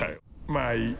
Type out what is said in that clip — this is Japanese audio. まあ、いい。